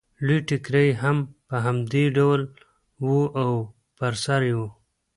لوی ټکری یې هم په همدې ډول و او پر سر یې و